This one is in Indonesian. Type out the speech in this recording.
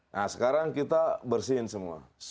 nah sekarang kita bersihin semua